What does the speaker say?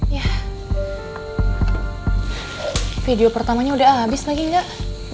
ya video pertamanya udah abis lagi nggak